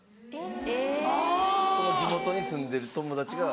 ・えぇ・その地元に住んでる友達が。